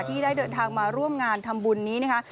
ที่ได้เดินทางมาร่วมงานทำบุญนี้นะคะ